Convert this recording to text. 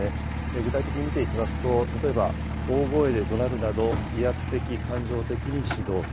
具体的に見ていきますと、例えば大声でどなるなど威圧的、感情的に指導。